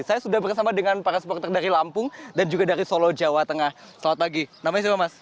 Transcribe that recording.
saya sudah bersama dengan para supporter dari lampung dan juga dari solo jawa tengah selamat pagi namanya siapa mas